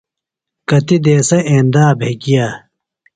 کتیۡ دیسہ ایندا بھےۡ گیہ۔